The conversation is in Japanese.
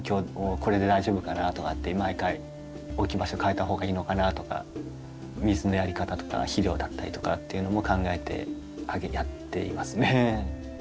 これで大丈夫かな？とかって毎回置き場所変えたほうがいいのかなとか水のやり方とか肥料だったりとかっていうのも考えてやっていますね。